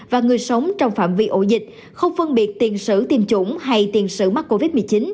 và người sống trong phạm vi ổ dịch không phân biệt tiền sử tiêm chủng hay tiền sử mắc covid một mươi chín